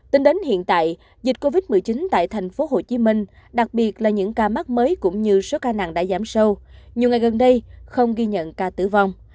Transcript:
tính đến hiện tại dịch covid một mươi chín tại thành phố hồ chí minh đặc biệt là những ca mắc mới cũng như số ca nặng đã giảm sâu nhiều ngày gần đây không ghi nhận ca tử vong